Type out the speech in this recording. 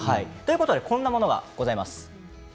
こんなものがございます。